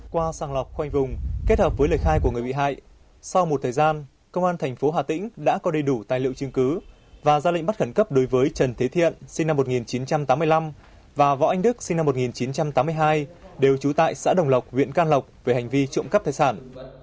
qua sàng lọc khoanh vùng kết hợp với lời khai của người bị hại sau một thời gian công an thành phố hà tĩnh đã có đầy đủ tài liệu chứng cứ và ra lệnh bắt khẩn cấp đối với trần thế thiện sinh năm một nghìn chín trăm tám mươi năm và võ anh đức sinh năm một nghìn chín trăm tám mươi hai đều trú tại xã đồng lộc huyện can lộc về hành vi trộm cắp tài sản